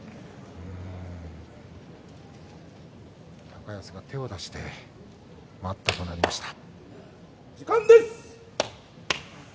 高安が手を出して待ったとなりました。